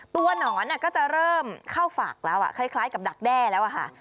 หนอนก็จะเริ่มเข้าฝักแล้วคล้ายกับดักแด้แล้วอะค่ะ